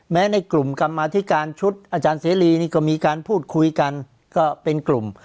ในกลุ่มกรรมธิการชุดอาจารย์เสรีนี่ก็มีการพูดคุยกันก็เป็นกลุ่ม